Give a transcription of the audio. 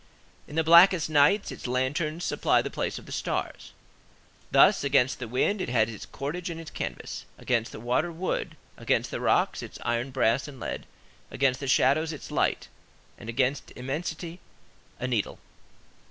In the blackest nights, its lanterns supply the place of the stars. Thus, against the wind, it has its cordage and its canvas; against the water, wood; against the rocks, its iron, brass, and lead; against the shadows, its light; against immensity, a needle.